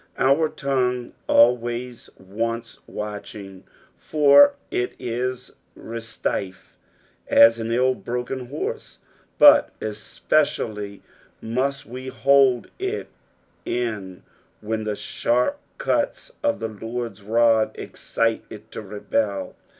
Our tongue always wants watching, for it ii restive as an ill broken horse ; but especially must we hold it in when the sbsrt cuts of the Lord's rod excite it to rebel.